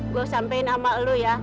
gue sampein sama lo ya